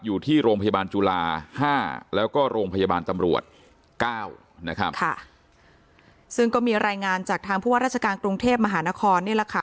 อยู่ที่โรงพยาบาลจุฬาห้าแล้วก็โรงพยาบาลตำรวจเก้านะครับค่ะซึ่งก็มีรายงานจากทางผู้ว่าราชการกรุงเทพมหานครนี่แหละค่ะ